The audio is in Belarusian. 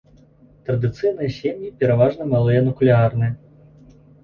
Традыцыйныя сем'і пераважна малыя нуклеарныя.